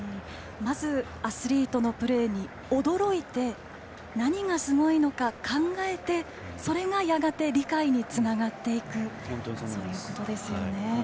まずアスリートのプレーに驚いて、何がすごいのか考えてそれがやがて理解につながっていくということですよね。